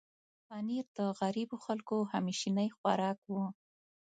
پنېر د غریبو خلکو همیشنی خوراک و.